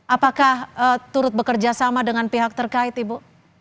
apakah turut bekerjasama dengan pihak terkait ibu